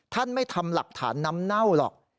ไม่ทำหลักฐานน้ำเน่าหรอก